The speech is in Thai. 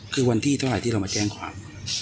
คือวันที่เท่าไหร่ที่เรามาแจ้งความ